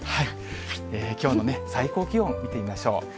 きょうの最高気温、見てみましょう。